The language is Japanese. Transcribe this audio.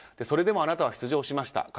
それでもあなたは出場しました。